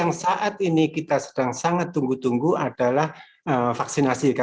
ya saya rasa menuju ke arah saat ini ya